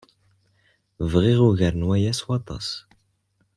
Bɣiɣ ugar n waya s waṭas.